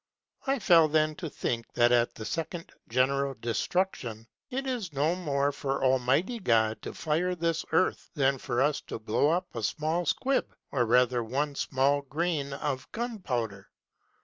I fell then to think, that at the second general destruction, it is no more for God Almighty to fire this Earth than for us to blow up a small squib, or rather one small grain of Gunpowder.